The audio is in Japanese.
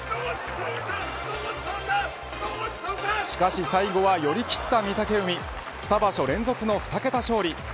しかし最後は寄り切った御嶽海２場所連続の２桁勝利。